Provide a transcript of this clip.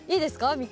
見て。